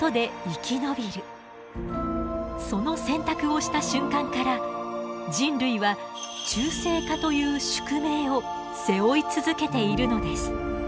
その選択をした瞬間から人類は中性化という宿命を背負い続けているのです。